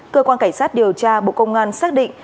cơ quan cảnh sát điều tra bộ công an xác định